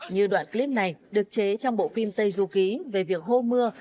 như đoạn clip này được chế trong bộ phim tây du ký về việc hô mưa